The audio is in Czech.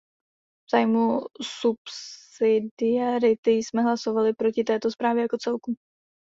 V zájmu subsidiarity jsme hlasovali proti této zprávě jako celku.